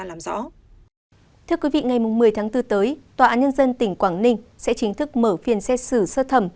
ngày một mươi tháng bốn tới tòa án nhân dân tỉnh quảng ninh sẽ chính thức mở phiên xét xử sơ thẩm